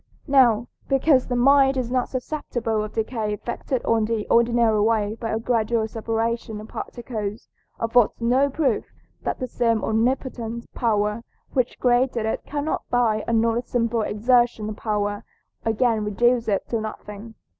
Now because the mind is not susceptible of decay effected in the ordinary way by a gradual separation of particles, affords no proof that that same omnipotent power which created it cannot by another simple exertion of power again reduce it to nothing.